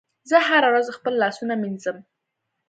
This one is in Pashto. زه هره ورځ خپل لاسونه مینځم.